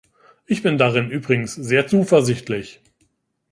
Ich bin darin übrigens sehr zuversichtlich.